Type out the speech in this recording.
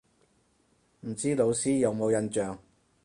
唔知老師有冇印象